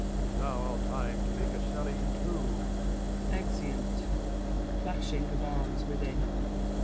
'Tis now our time to make a sally too. [Exeunt. [Clashing of arms within.